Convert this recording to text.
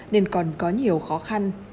nên còn có nhiều khó khăn